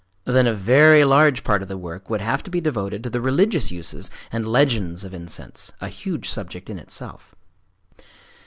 Then a very large part of the work would have to be devoted to the religious uses and legends of incense,—a huge subject in itself.